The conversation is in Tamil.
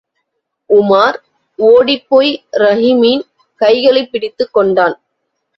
உமார், ஒடிப் போய் ரஹீமின் கைகளைப் பிடித்துக் கொண்டான்.